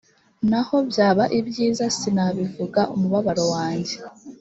naho byaba ibyiza sinabivuga umubabaro wanjye